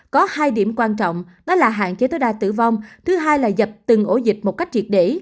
có hai điểm quan trọng đó là hạn chế tối đa tử vong thứ hai là dập từng ổ dịch một cách triệt để